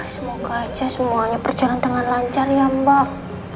semoga aja semuanya berjalan dengan lancar ya mbak